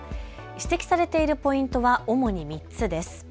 指摘されているポイントは主に３つです。